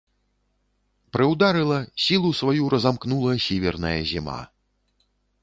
Прыўдарыла, сілу сваю разамкнула сіверная зіма.